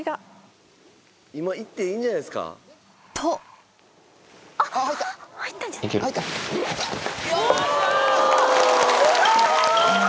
今行っていいんじゃないですか？とあぁ！